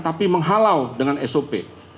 tapi menghalau dengan sop